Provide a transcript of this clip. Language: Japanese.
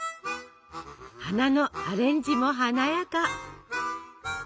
花のアレンジも華やか！